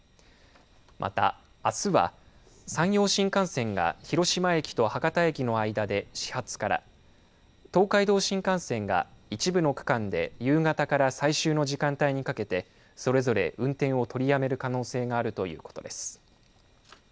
また、あすは山陽新幹線が広島駅と博多駅の間で始発から東海道新幹線が一部の区間で夕方から最終の時間帯にかけてそれぞれ運転を取りやめる可能性があるということです。